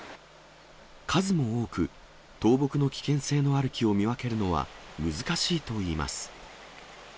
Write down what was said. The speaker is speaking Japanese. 数も多く、倒木の危険性のある木を見分けるのは難しいといいます。